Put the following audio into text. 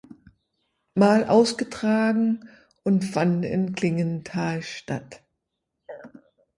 Mal ausgetragen und fanden in Klingenthal statt.